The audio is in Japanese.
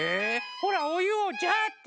ほらおゆをジャーッて！